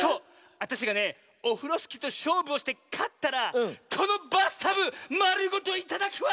あたしがねオフロスキーとしょうぶをしてかったらこのバスタブまるごといただくわ！